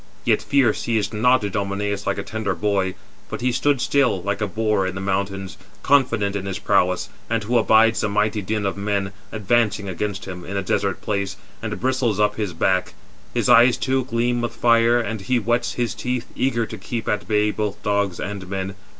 Yet fear seized not Idomeneus like a tender boy, but he stood still, like a boar in the mountains, confident in his prowess, and who abides the mighty din of men advancing against him, in a desert place, 431 and bristles up his back; his eyes, too, gleam with fire, and he whets his teeth, eager to keep at bay both dogs and men.